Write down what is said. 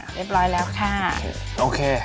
เรียบร้อยแล้วค่ะ